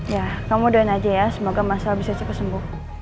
ya kamu doain aja ya semoga mas al bisa cepet sembuh